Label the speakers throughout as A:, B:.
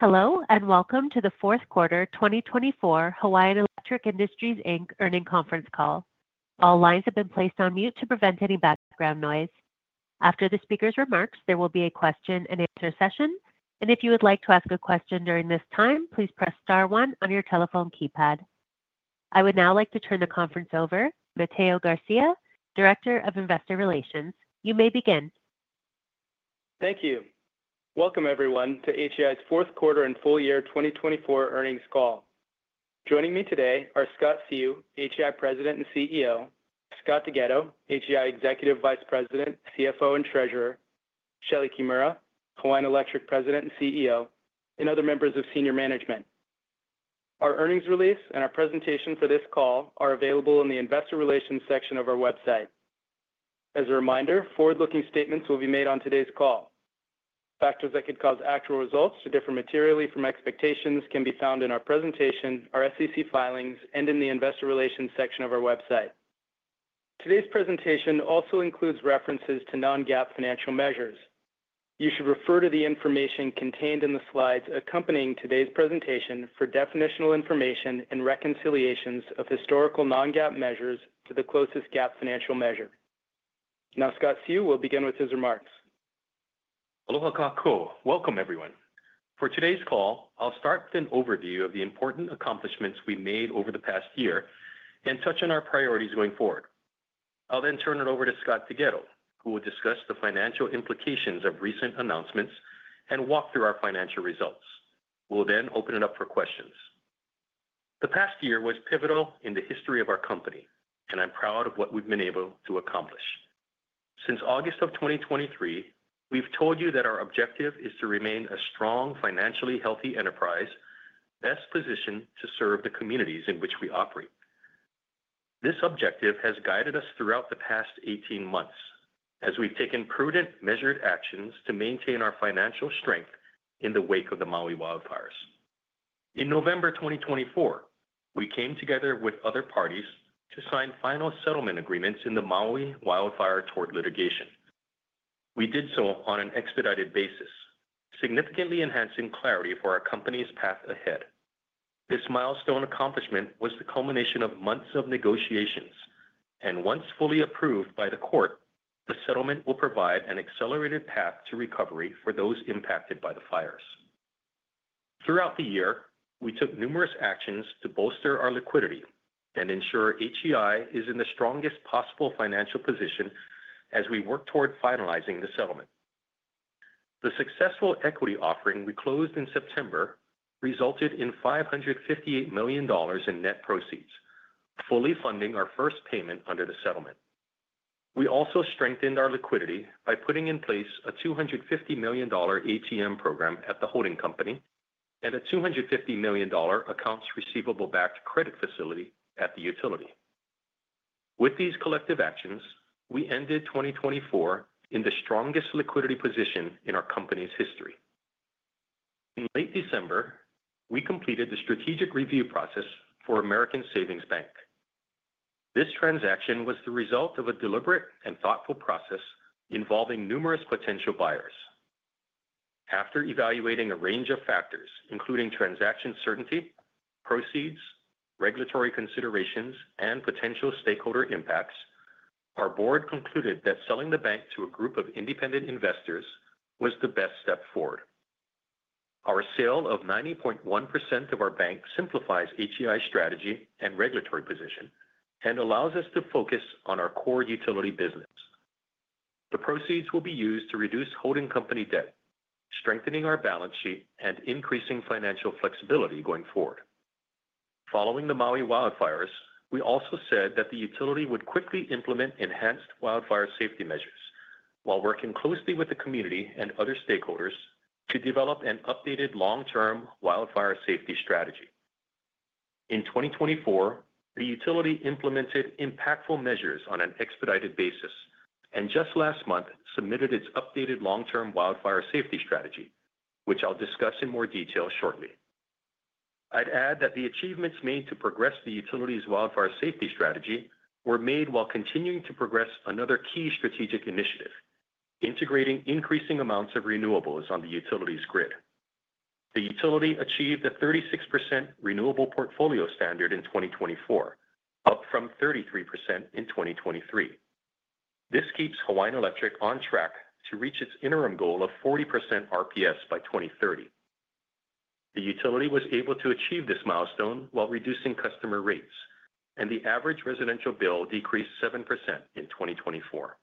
A: Hello, and welcome to the fourth quarter 2024 Hawaiian Electric Industries Inc. earnings conference call. All lines have been placed on mute to prevent any background noise. After the speaker's remarks, there will be a question-and-answer session, and if you would like to ask a question during this time, please press star one on your telephone keypad. I would now like to turn the conference over to Mateo Garcia, Director of Investor Relations. You may begin.
B: Thank you. Welcome, everyone, to HEI's fourth quarter and full year 2024 earnings call. Joining me today are Scott Seu, HEI President and CEO, Scott DeGhetto, HEI Executive Vice President, CFO and Treasurer, Shelee Kimura, Hawaiian Electric President and CEO, and other members of senior management. Our earnings release and our presentation for this call are available in the Investor Relations section of our website. As a reminder, forward-looking statements will be made on today's call. Factors that could cause actual results to differ materially from expectations can be found in our presentation, our SEC filings, and in the Investor Relations section of our website. Today's presentation also includes references to non-GAAP financial measures. You should refer to the information contained in the slides accompanying today's presentation for definitional information and reconciliations of historical non-GAAP measures to the closest GAAP financial measure. Now, Scott Seu will begin with his remarks.
C: Aloha kākou! Welcome, everyone. For today's call, I'll start with an overview of the important accomplishments we made over the past year and touch on our priorities going forward. I'll then turn it over to Scott DeGhetto, who will discuss the financial implications of recent announcements and walk through our financial results. We'll then open it up for questions. The past year was pivotal in the history of our company, and I'm proud of what we've been able to accomplish. Since August of 2023, we've told you that our objective is to remain a strong, financially healthy enterprise, best positioned to serve the communities in which we operate. This objective has guided us throughout the past 18 months as we've taken prudent, measured actions to maintain our financial strength in the wake of the Maui wildfires. In November 2024, we came together with other parties to sign final settlement agreements in the Maui wildfire tort litigation. We did so on an expedited basis, significantly enhancing clarity for our company's path ahead. This milestone accomplishment was the culmination of months of negotiations, and once fully approved by the court, the settlement will provide an accelerated path to recovery for those impacted by the fires. Throughout the year, we took numerous actions to bolster our liquidity and ensure HEI is in the strongest possible financial position as we work toward finalizing the settlement. The successful equity offering we closed in September resulted in $558 million in net proceeds, fully funding our first payment under the settlement. We also strengthened our liquidity by putting in place a $250 million ATM program at the holding company and a $250 million accounts receivable-backed credit facility at the utility. With these collective actions, we ended 2024 in the strongest liquidity position in our company's history. In late December, we completed the strategic review process for American Savings Bank. This transaction was the result of a deliberate and thoughtful process involving numerous potential buyers. After evaluating a range of factors, including transaction certainty, proceeds, regulatory considerations, and potential stakeholder impacts, our board concluded that selling the bank to a group of independent investors was the best step forward. Our sale of 90.1% of our bank simplifies HEI's strategy and regulatory position and allows us to focus on our core utility business. The proceeds will be used to reduce holding company debt, strengthening our balance sheet, and increasing financial flexibility going forward. Following the Maui wildfires, we also said that the utility would quickly implement enhanced wildfire safety measures while working closely with the community and other stakeholders to develop an updated long-term wildfire safety strategy. In 2024, the utility implemented impactful measures on an expedited basis and just last month submitted its updated long-term wildfire safety strategy, which I'll discuss in more detail shortly. I'd add that the achievements made to progress the utility's wildfire safety strategy were made while continuing to progress another key strategic initiative: integrating increasing amounts of renewables on the utility's grid. The utility achieved a 36% renewable portfolio standard in 2024, up from 33% in 2023. This keeps Hawaiian Electric on track to reach its interim goal of 40% RPS by 2030. The utility was able to achieve this milestone while reducing customer rates, and the average residential bill decreased 7% in 2024.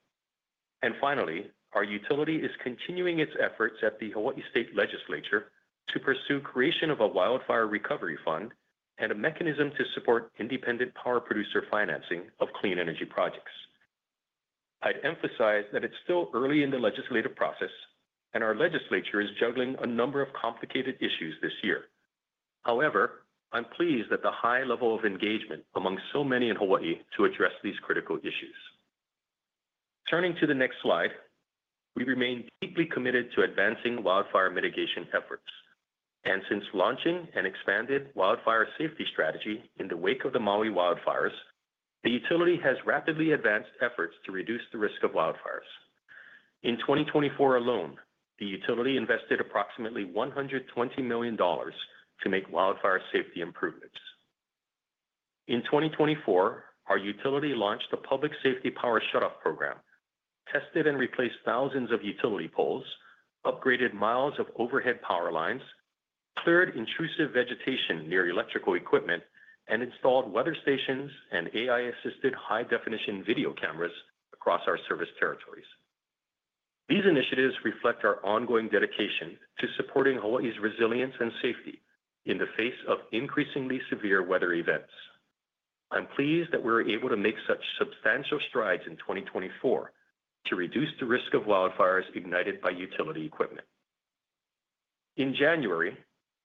C: Finally, our utility is continuing its efforts at the Hawai'i State Legislature to pursue the creation of a wildfire recovery fund and a mechanism to support independent power producer financing of clean energy projects. I'd emphasize that it's still early in the legislative process, and our legislature is juggling a number of complicated issues this year. However, I'm pleased that the high level of engagement among so many in Hawai'i to address these critical issues. Turning to the next slide, we remain deeply committed to advancing wildfire mitigation efforts, and since launching an expanded wildfire safety strategy in the wake of the Maui wildfires, the utility has rapidly advanced efforts to reduce the risk of wildfires. In 2024 alone, the utility invested approximately $120 million to make wildfire safety improvements. In 2024, our utility launched a public safety power shutoff program, tested and replaced thousands of utility poles, upgraded miles of overhead power lines, cleared intrusive vegetation near electrical equipment, and installed weather stations and AI-assisted high-definition video cameras across our service territories. These initiatives reflect our ongoing dedication to supporting Hawai'i's resilience and safety in the face of increasingly severe weather events. I'm pleased that we were able to make such substantial strides in 2024 to reduce the risk of wildfires ignited by utility equipment. In January,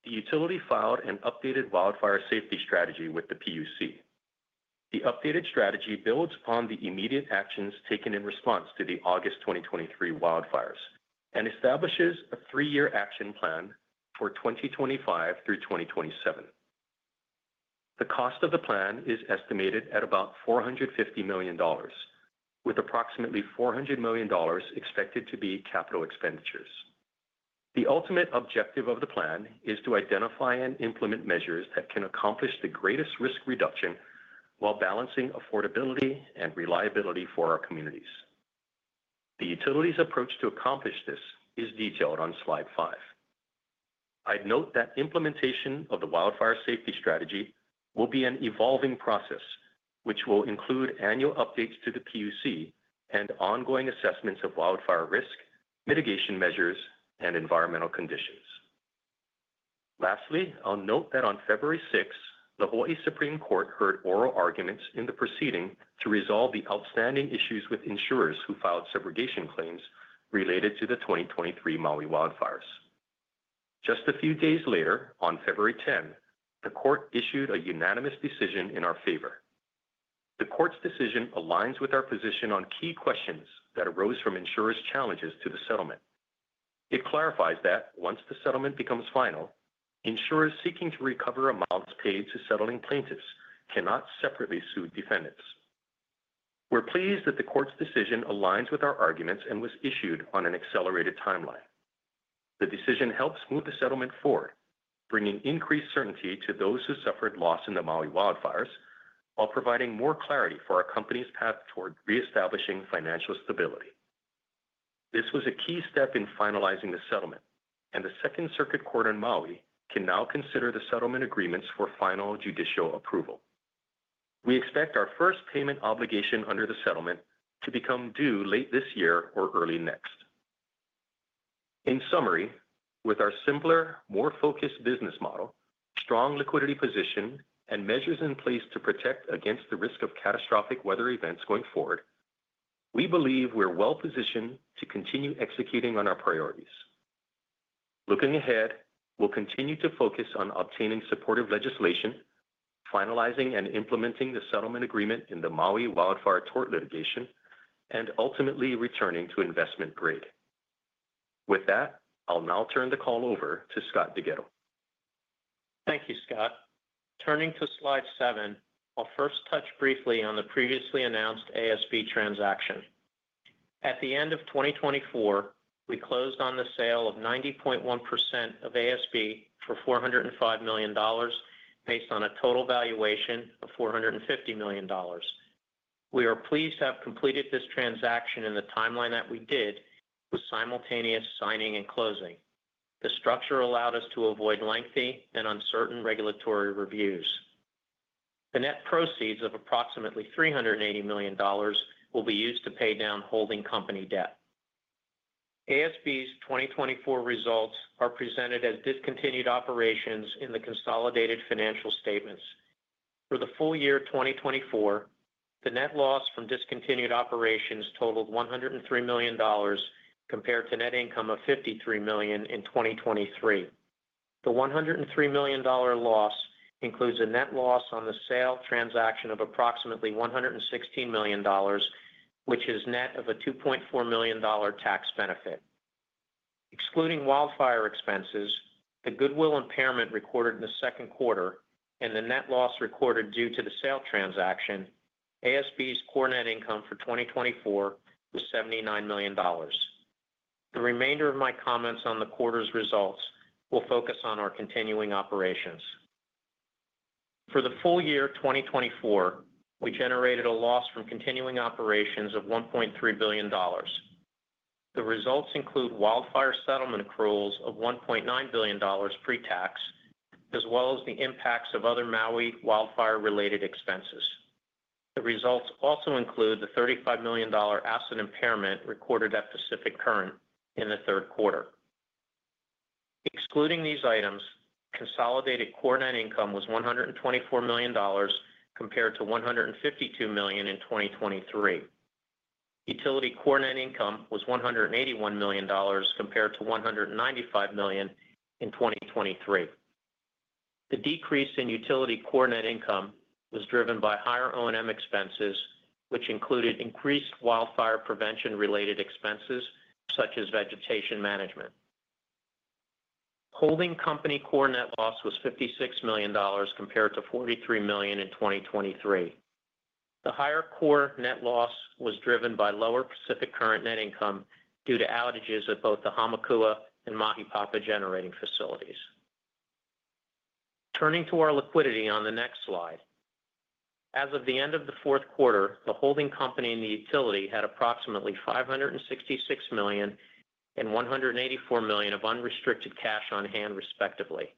C: the utility filed an updated wildfire safety strategy with the PUC. The updated strategy builds upon the immediate actions taken in response to the August 2023 wildfires and establishes a three-year action plan for 2025 through 2027. The cost of the plan is estimated at about $450 million, with approximately $400 million expected to be capital expenditures. The ultimate objective of the plan is to identify and implement measures that can accomplish the greatest risk reduction while balancing affordability and reliability for our communities. The utility's approach to accomplish this is detailed on slide five. I'd note that implementation of the wildfire safety strategy will be an evolving process, which will include annual updates to the PUC and ongoing assessments of wildfire risk, mitigation measures, and environmental conditions. Lastly, I'll note that on February 6, the Hawai'i Supreme Court heard oral arguments in the proceeding to resolve the outstanding issues with insurers who filed subrogation claims related to the 2023 Maui wildfires. Just a few days later, on February 10, the court issued a unanimous decision in our favor. The court's decision aligns with our position on key questions that arose from insurers' challenges to the settlement. It clarifies that once the settlement becomes final, insurers seeking to recover amounts paid to settling plaintiffs cannot separately sue defendants. We're pleased that the court's decision aligns with our arguments and was issued on an accelerated timeline. The decision helps move the settlement forward, bringing increased certainty to those who suffered loss in the Maui wildfires while providing more clarity for our company's path toward reestablishing financial stability. This was a key step in finalizing the settlement, and the Second Circuit Court on Maui can now consider the settlement agreements for final judicial approval. We expect our first payment obligation under the settlement to become due late this year or early next. In summary, with our simpler, more focused business model, strong liquidity position, and measures in place to protect against the risk of catastrophic weather events going forward, we believe we're well-positioned to continue executing on our priorities. Looking ahead, we'll continue to focus on obtaining supportive legislation, finalizing and implementing the settlement agreement in the Maui wildfire tort litigation, and ultimately returning to investment grade. With that, I'll now turn the call over to Scott DeGhetto.
D: Thank you, Scott. Turning to slide seven, I'll first touch briefly on the previously announced ASB transaction. At the end of 2024, we closed on the sale of 90.1% of ASB for $405 million based on a total valuation of $450 million. We are pleased to have completed this transaction in the timeline that we did with simultaneous signing and closing. The structure allowed us to avoid lengthy and uncertain regulatory reviews. The net proceeds of approximately $380 million will be used to pay down holding company debt. ASB's 2024 results are presented as discontinued operations in the consolidated financial statements. For the full year 2024, the net loss from discontinued operations totaled $103 million compared to net income of $53 million in 2023. The $103 million loss includes a net loss on the sale transaction of approximately $116 million, which is net of a $2.4 million tax benefit. Excluding wildfire expenses, the goodwill impairment recorded in the second quarter, and the net loss recorded due to the sale transaction, ASB's core net income for 2024 was $79 million. The remainder of my comments on the quarter's results will focus on our continuing operations. For the full year 2024, we generated a loss from continuing operations of $1.3 billion. The results include wildfire settlement accruals of $1.9 billion pre-tax, as well as the impacts of other Maui wildfire-related expenses. The results also include the $35 million asset impairment recorded at Pacific Current in the third quarter. Excluding these items, consolidated core net income was $124 million compared to $152 million in 2023. Utility core net income was $181 million compared to $195 million in 2023. The decrease in utility core net income was driven by higher O&M expenses, which included increased wildfire prevention-related expenses such as vegetation management. Holding company core net loss was $56 million compared to $43 million in 2023. The higher core net loss was driven by lower Pacific Current net income due to outages at both the Hamakua and Mahipapa generating facilities. Turning to our liquidity on the next slide. As of the end of the fourth quarter, the holding company and the utility had approximately $566 million and $184 million of unrestricted cash on hand, respectively.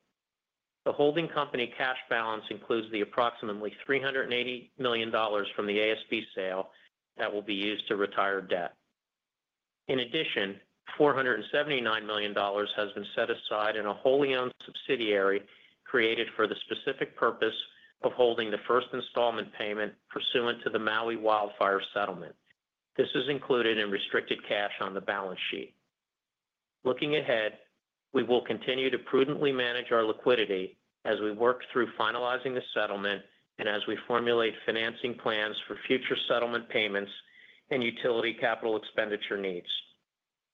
D: The holding company cash balance includes the approximately $380 million from the ASB sale that will be used to retire debt. In addition, $479 million has been set aside in a wholly owned subsidiary created for the specific purpose of holding the first installment payment pursuant to the Maui wildfire settlement. This is included in restricted cash on the balance sheet. Looking ahead, we will continue to prudently manage our liquidity as we work through finalizing the settlement and as we formulate financing plans for future settlement payments and utility capital expenditure needs.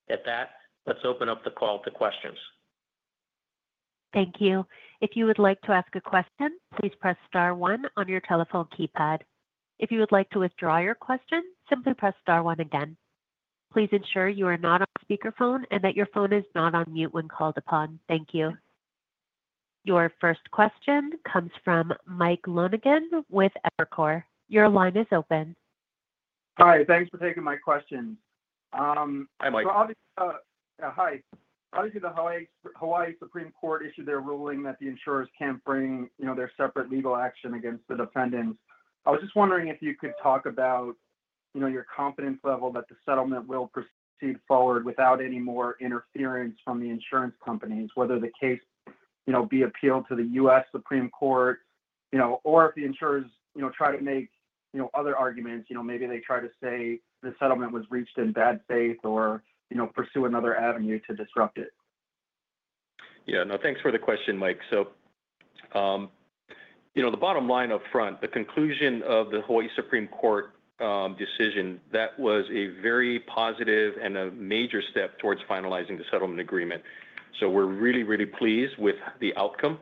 D: With that, let's open up the call to questions.
A: Thank you. If you would like to ask a question, please press star one on your telephone keypad. If you would like to withdraw your question, simply press star one again. Please ensure you are not on speakerphone and that your phone is not on mute when called upon. Thank you. Your first question comes from Michael Lonegan with Evercore. Your line is open.
E: Hi. Thanks for taking my question.
F: Hi, Michael.
E: Hi. Obviously, the Hawai'i Supreme Court issued their ruling that the insurers can't bring their separate legal action against the defendants. I was just wondering if you could talk about your confidence level that the settlement will proceed forward without any more interference from the insurance companies, whether the case be appealed to the U.S. Supreme Court or if the insurers try to make other arguments. Maybe they try to say the settlement was reached in bad faith or pursue another avenue to disrupt it.
C: Yeah. No, thanks for the question, Mike. So the bottom line up front, the conclusion of the Hawai'i Supreme Court decision, that was a very positive and a major step towards finalizing the settlement agreement. So we're really, really pleased with the outcome.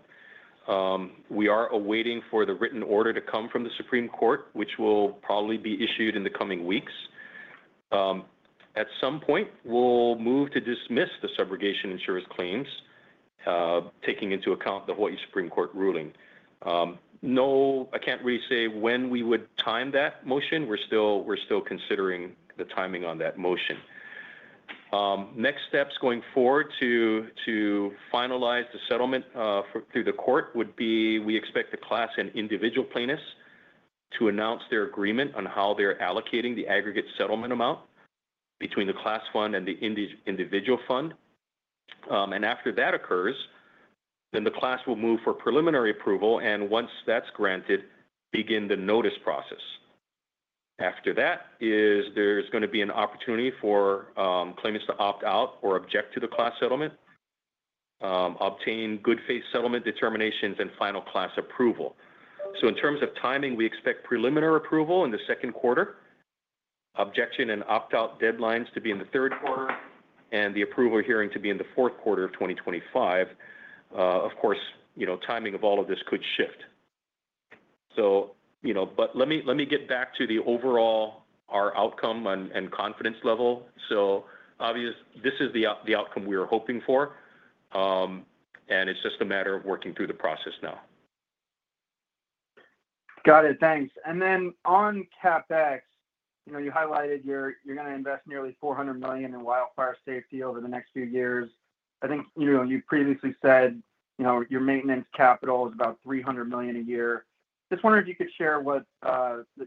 C: We are awaiting for the written order to come from the Supreme Court, which will probably be issued in the coming weeks. At some point, we'll move to dismiss the subrogation insurers' claims taking into account the Hawai'i Supreme Court ruling. I can't really say when we would time that motion. We're still considering the timing on that motion. Next steps going forward to finalize the settlement through the court would be we expect the class and individual plaintiffs to announce their agreement on how they're allocating the aggregate settlement amount between the class fund and the individual fund. After that occurs, then the class will move for preliminary approval, and once that's granted, begin the notice process. After that, there's going to be an opportunity for claimants to opt out or object to the class settlement, obtain good faith settlement determinations, and final class approval. In terms of timing, we expect preliminary approval in the second quarter, objection and opt-out deadlines to be in the third quarter, and the approval hearing to be in the fourth quarter of 2025. Of course, timing of all of this could shift. Let me get back to the overall outcome and confidence level. This is the outcome we are hoping for, and it's just a matter of working through the process now.
E: Got it. Thanks. And then on CapEx, you highlighted you're going to invest nearly $400 million in wildfire safety over the next few years. I think you previously said your maintenance capital is about $300 million a year. Just wondering if you could share what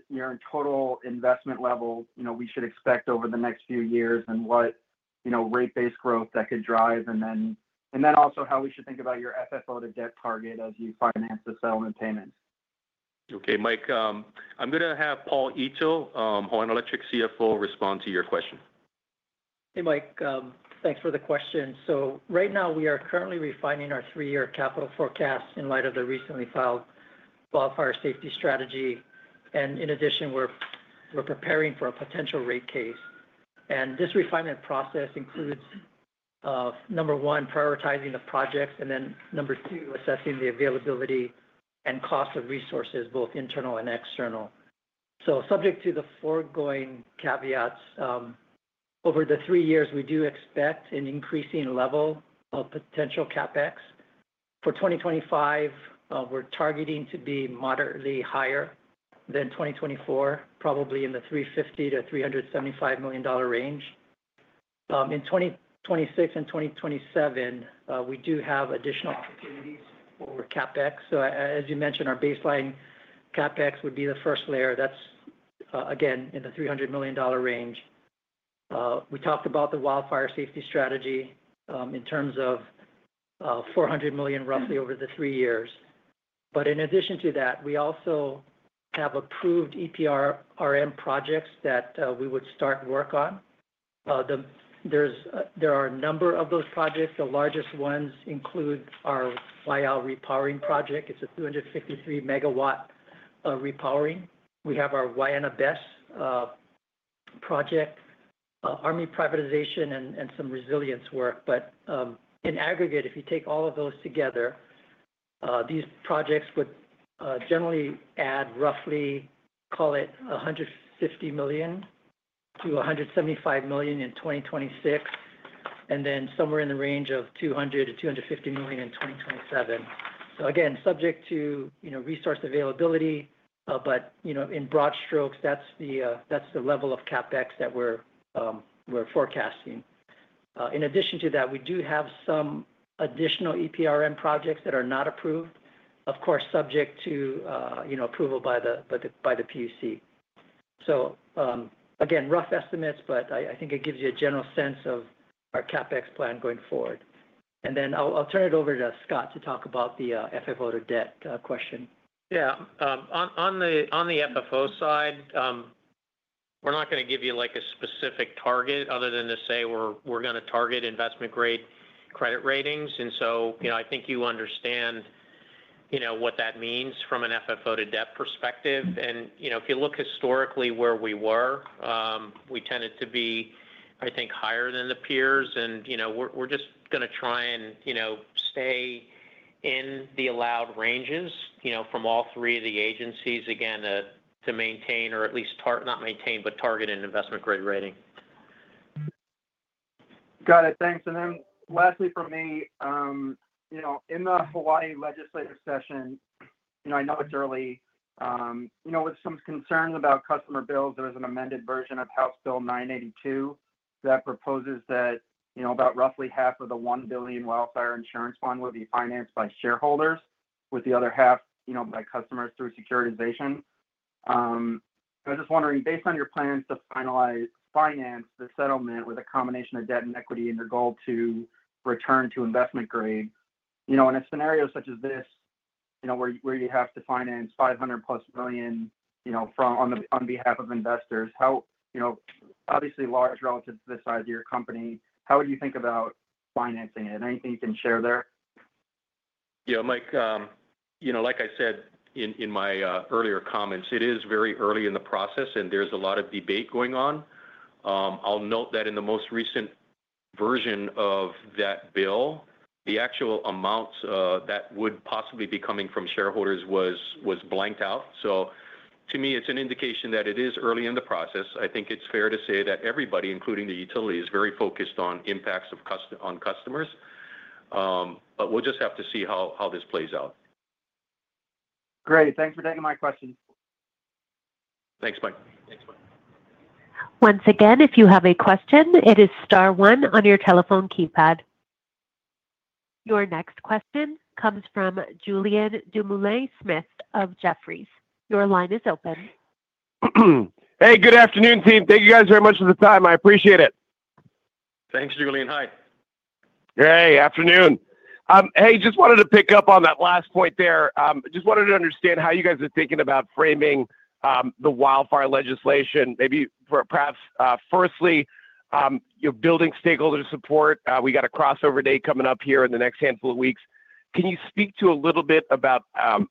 E: your total investment level we should expect over the next few years and what rate-based growth that could drive, and then also how we should think about your FFO to debt target as you finance the settlement payments.
C: Okay, Mike. I'm going to have Paul Ito, Hawaiian Electric CFO, respond to your question.
G: Hey, Mike. Thanks for the question. So right now, we are currently refining our three-year capital forecast in light of the recently filed wildfire safety strategy. And in addition, we're preparing for a potential rate case. And this refinement process includes, number one, prioritizing the projects, and then, number two, assessing the availability and cost of resources, both internal and external. So subject to the foregoing caveats, over the three years, we do expect an increasing level of potential CapEx. For 2025, we're targeting to be moderately higher than 2024, probably in the $350 million-$375 million range. In 2026 and 2027, we do have additional opportunities for CapEx. So as you mentioned, our baseline CapEx would be the first layer. That's, again, in the $300 million range. We talked about the wildfire safety strategy in terms of $400 million, roughly, over the three years. But in addition to that, we also have approved EPRM projects that we would start work on. There are a number of those projects. The largest ones include our Waiau repowering project. It's a 253-megawatt repowering. We have our Waena BESS project, Army Privatization, and some resilience work. But in aggregate, if you take all of those together, these projects would generally add, roughly, call it $150 million-$175 million in 2026, and then somewhere in the range of $200 million-$250 million in 2027. So again, subject to resource availability, but in broad strokes, that's the level of CapEx that we're forecasting. In addition to that, we do have some additional EPRRM projects that are not approved, of course, subject to approval by the PUC. So again, rough estimates, but I think it gives you a general sense of our CapEx plan going forward. And then I'll turn it over to Scott to talk about the FFO to debt question.
C: Yeah. On the FFO side, we're not going to give you a specific target other than to say we're going to target investment-grade credit ratings. And so I think you understand what that means from an FFO to debt perspective. And if you look historically where we were, we tended to be, I think, higher than the peers. And we're just going to try and stay in the allowed ranges from all three of the agencies, again, to maintain or at least not maintain, but target an investment-grade rating.
E: Got it. Thanks, and then lastly for me, in the Hawai'i legislative session, I know it's early. With some concerns about customer bills, there's an amended version of House Bill 982 that proposes that about roughly half of the $1 billion wildfire insurance fund would be financed by shareholders, with the other half by customers through securitization. I was just wondering, based on your plans to finance the settlement with a combination of debt and equity and your goal to return to investment grade, in a scenario such as this, where you have to finance $500+ million on behalf of investors, obviously large relative to the size of your company, how would you think about financing it? Anything you can share there?
C: Yeah, Michael. Like I said in my earlier comments, it is very early in the process, and there's a lot of debate going on. I'll note that in the most recent version of that bill, the actual amounts that would possibly be coming from shareholders was blanked out. So to me, it's an indication that it is early in the process. I think it's fair to say that everybody, including the utilities, is very focused on impacts on customers. But we'll just have to see how this plays out.
E: Great. Thanks for taking my question.
C: Thanks, Michael.
A: Once again, if you have a question, it is star one on your telephone keypad. Your next question comes from Julien Dumoulin-Smith of Jefferies. Your line is open.
F: Hey, good afternoon, team. Thank you guys very much for the time. I appreciate it.
C: Thanks, Julian. Hi.
F: Hey, afternoon. Hey, just wanted to pick up on that last point there. Just wanted to understand how you guys are thinking about framing the wildfire legislation, maybe perhaps firstly, building stakeholder support. We got a crossover day coming up here in the next handful of weeks. Can you speak to a little bit about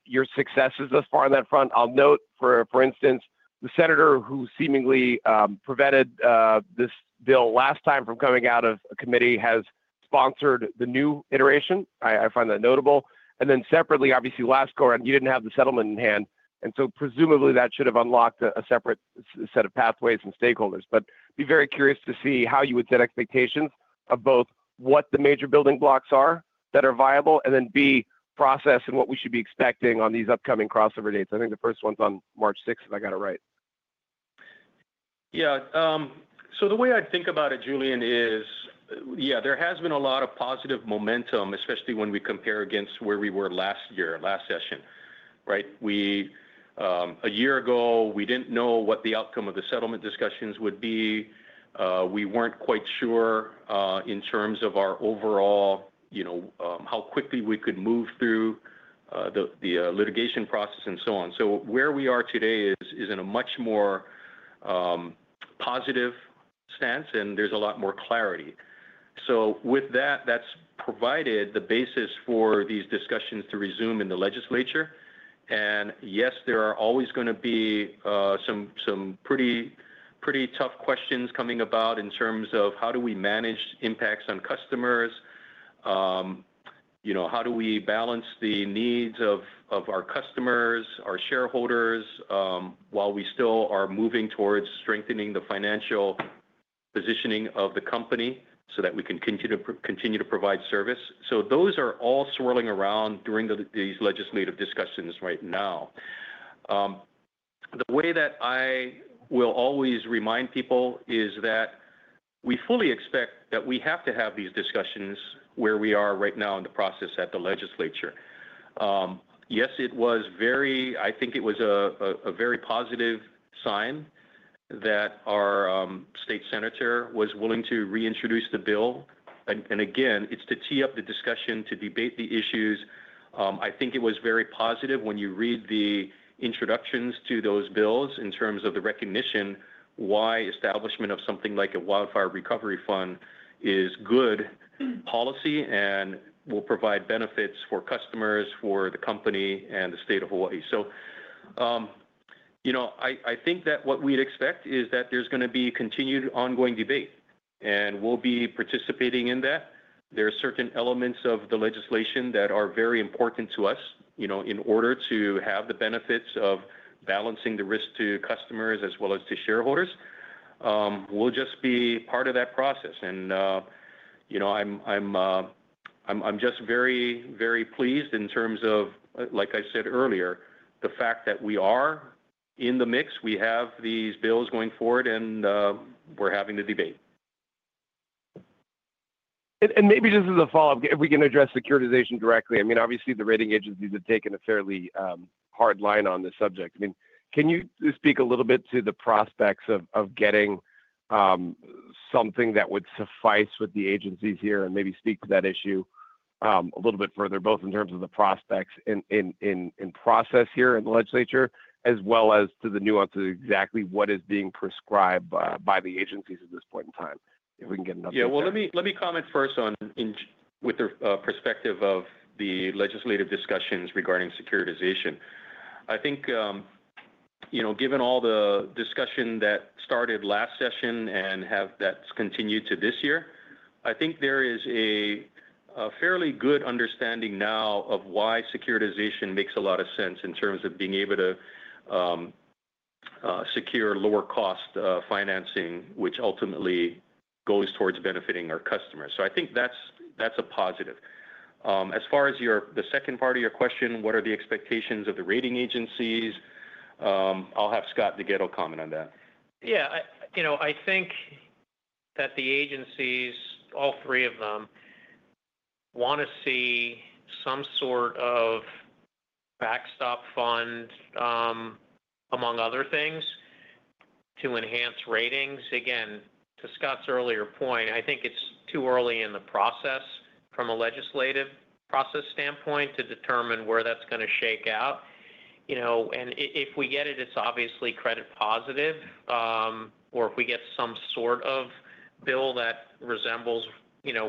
F: your successes thus far on that front? I'll note, for instance, the senator who seemingly prevented this bill last time from coming out of a committee has sponsored the new iteration. I find that notable, and then separately, obviously, last go-around, you didn't have the settlement in hand, and so presumably, that should have unlocked a separate set of pathways and stakeholders. But be very curious to see how you would set expectations of both what the major building blocks are that are viable, and then B, process and what we should be expecting on these upcoming crossover dates. I think the first one's on March 6th, if I got it right.
C: Yeah. So the way I'd think about it, Julian, is, yeah, there has been a lot of positive momentum, especially when we compare against where we were last year, last session. Right? A year ago, we didn't know what the outcome of the settlement discussions would be. We weren't quite sure in terms of our overall how quickly we could move through the litigation process and so on. So where we are today is in a much more positive stance, and there's a lot more clarity. So with that, that's provided the basis for these discussions to resume in the legislature. And yes, there are always going to be some pretty tough questions coming about in terms of how do we manage impacts on customers? How do we balance the needs of our customers, our shareholders, while we still are moving towards strengthening the financial positioning of the company so that we can continue to provide service, so those are all swirling around during these legislative discussions right now. The way that I will always remind people is that we fully expect that we have to have these discussions where we are right now in the process at the legislature. Yes, it was very, I think, a very positive sign that our state senator was willing to reintroduce the bill, and again, it's to tee up the discussion, to debate the issues. I think it was very positive when you read the introductions to those bills in terms of the recognition why establishment of something like a wildfire recovery fund is good policy and will provide benefits for customers, for the company, and the state of Hawai'i. So I think that what we'd expect is that there's going to be continued ongoing debate, and we'll be participating in that. There are certain elements of the legislation that are very important to us in order to have the benefits of balancing the risk to customers as well as to shareholders. We'll just be part of that process. And I'm just very, very pleased in terms of, like I said earlier, the fact that we are in the mix. We have these bills going forward, and we're having the debate.
F: Maybe just as a follow-up, if we can address securitization directly. I mean, obviously, the rating agencies have taken a fairly hard line on this subject. I mean, can you speak a little bit to the prospects of getting something that would suffice with the agencies here and maybe speak to that issue a little bit further, both in terms of the prospects in process here in the legislature as well as to the nuances of exactly what is being prescribed by the agencies at this point in time, if we can get enough detail?
C: Yeah. Well, let me comment first with the perspective of the legislative discussions regarding securitization. I think given all the discussion that started last session and that's continued to this year, I think there is a fairly good understanding now of why securitization makes a lot of sense in terms of being able to secure lower-cost financing, which ultimately goes towards benefiting our customers. So I think that's a positive. As far as the second part of your question, what are the expectations of the rating agencies? I'll have Scott DeGhetto comment on that.
D: Yeah. I think that the agencies, all three of them, want to see some sort of backstop fund, among other things, to enhance ratings. Again, to Scott's earlier point, I think it's too early in the process from a legislative process standpoint to determine where that's going to shake out. And if we get it, it's obviously credit-positive. Or if we get some sort of bill that resembles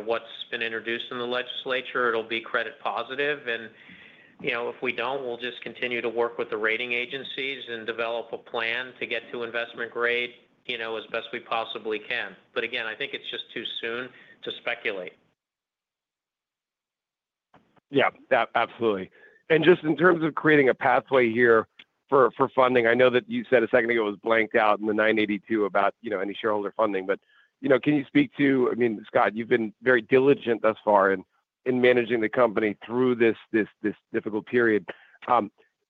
D: what's been introduced in the legislature, it'll be credit-positive. And if we don't, we'll just continue to work with the rating agencies and develop a plan to get to investment grade as best we possibly can. But again, I think it's just too soon to speculate. Yeah. Absolutely. And just in terms of creating a pathway here for funding, I know that you said a second ago it was blanked out in the 982 about any shareholder funding. But can you speak to, I mean, Scott, you've been very diligent thus far in managing the company through this difficult period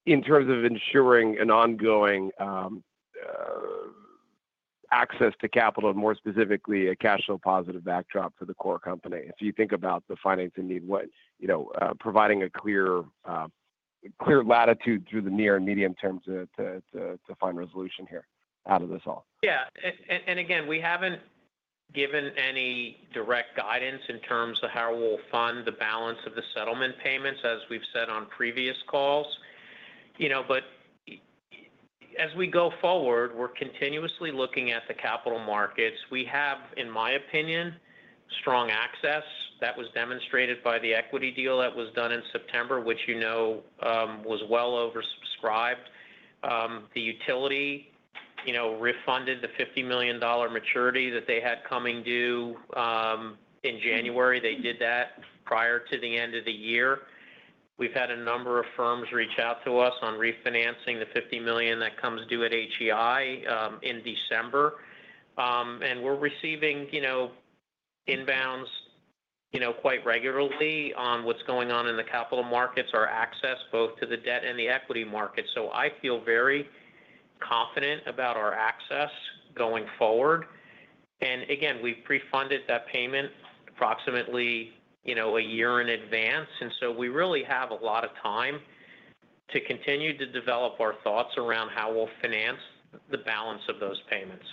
D: in terms of ensuring an ongoing access to capital and, more specifically, a cash-flow-positive backdrop for the core company? If you think about the financing need, providing a clear latitude through the near and medium term to find resolution here out of this all. Yeah. And again, we haven't given any direct guidance in terms of how we'll fund the balance of the settlement payments, as we've said on previous calls. But as we go forward, we're continuously looking at the capital markets. We have, in my opinion, strong access. That was demonstrated by the equity deal that was done in September, which was well oversubscribed. The utility refunded the $50 million maturity that they had coming due in January. They did that prior to the end of the year. We've had a number of firms reach out to us on refinancing the $50 million that comes due at HEI in December, and we're receiving inbounds quite regularly on what's going on in the capital markets, our access both to the debt and the equity market, so I feel very confident about our access going forward, and again, we've prefunded that payment approximately a year in advance, and so we really have a lot of time to continue to develop our thoughts around how we'll finance the balance of those payments.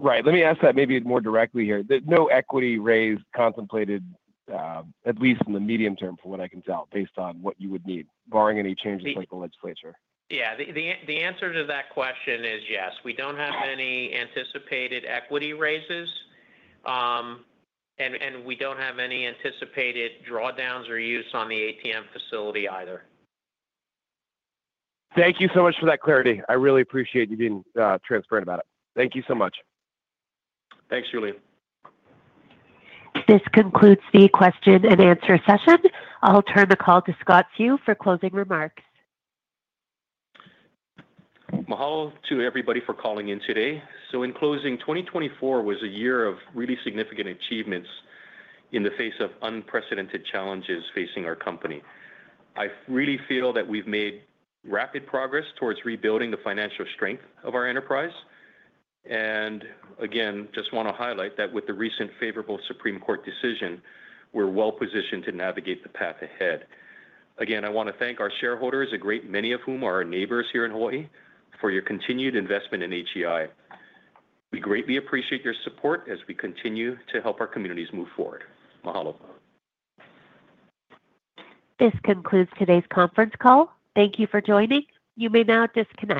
F: Right. Let me ask that maybe more directly here. No equity raise contemplated, at least in the medium term from what I can tell based on what you would need, barring any changes like the legislature?
D: Yeah. The answer to that question is yes. We don't have any anticipated equity raises, and we don't have any anticipated drawdowns or use on the ATM facility either.
F: Thank you so much for that clarity. I really appreciate you being transparent about it. Thank you so much.
D: Thanks, Julian.
A: This concludes the question-and-answer session. I'll turn the call to Scott Seu for closing remarks.
C: Mahalo to everybody for calling in today. So in closing, 2024 was a year of really significant achievements in the face of unprecedented challenges facing our company. I really feel that we've made rapid progress towards rebuilding the financial strength of our enterprise. And again, just want to highlight that with the recent favorable Supreme Court decision, we're well-positioned to navigate the path ahead. Again, I want to thank our shareholders, a great many of whom are our neighbors here in Hawai'i, for your continued investment in HEI. We greatly appreciate your support as we continue to help our communities move forward. Mahalo.
A: This concludes today's conference call. Thank you for joining. You may now disconnect.